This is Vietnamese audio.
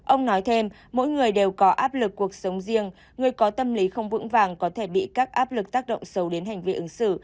ông nói thêm mỗi người đều có áp lực cuộc sống riêng người có tâm lý không vững vàng có thể bị các áp lực tác động sâu đến hành vi ứng xử